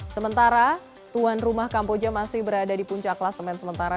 sementara tuan rumah kamboja masih berada di puncak klasemen sementara